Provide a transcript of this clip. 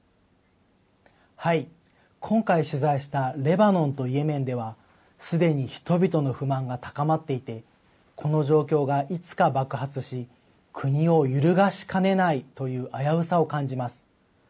今回取材したレバノンとイエメンでは、すでに人々の不満が高まっていて、この状況がいつか爆発し、国を揺るがしかねないという危うさを感じます。